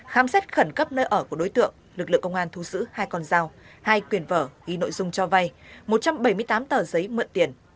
khám xét khẩn cấp nơi ở của đối tượng lực lượng công an thu giữ hai con dao hai quyền vở ghi nội dung cho vay một trăm bảy mươi tám tờ giấy mượn tiền